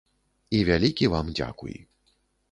І вялікі вам дзякуй.